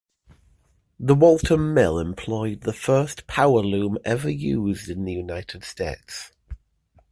The Waltham mill employed the first power loom ever used in the United States.